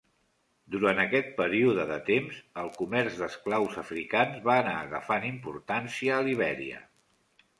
Durant aquest període de temps, el comerç d'esclaus africans va anar agafant importància a Libèria.